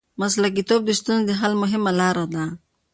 مسلکیتوب د ستونزو د حل مهمه لار ده.